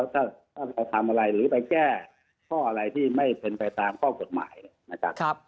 ถ้าเขาทำอะไรหรือไปแก้ข้ออะไรที่ไม่เป็นไปตามข้อกฎหมายนะครับ